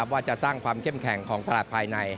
ว่าจะสร้างความเข้มแข็งของตลาดภายใน